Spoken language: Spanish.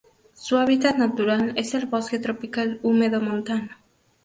Su hábitat natural es el bosque tropical húmedo montano.